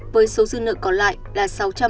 với số dư nợ còn lại là sáu trăm bảy mươi bảy